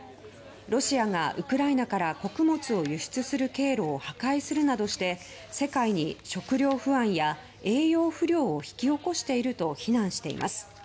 ロシアが、ウクライナから穀物を輸出する経路を破壊するなどして世界に食料不安や栄養不良を引き起こしていると非難しています。